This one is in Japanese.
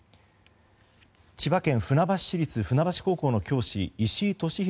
千葉県船橋市立船橋高校の教師石井利広